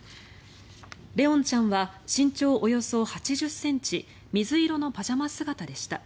怜音ちゃんは身長およそ８０ｃｍ水色のパジャマ姿でした。